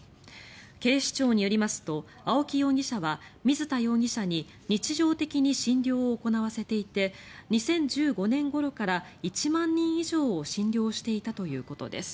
警視庁によりますと青木容疑者は水田容疑者に日常的に診療を行わせていて２０１５年ごろから１万人以上を診療していたということです。